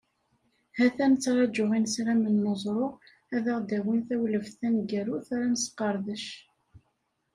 Ha-t-a nettraǧu inesramen n uẓru, ad aɣ-d-awin tawleft taneggarut ara nesqerdec.